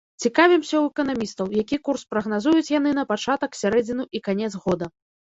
Цікавімся ў эканамістаў, які курс прагназуюць яны на пачатак, сярэдзіну і канец года.